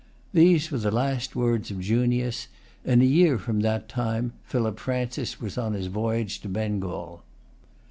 These were the last words of Junius. In a year from that time, Philip Francis was on his voyage to Bengal.